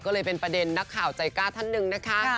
ก็เลยเป็นประเด็นนักข่าวใจกล้าท่านหนึ่งนะคะ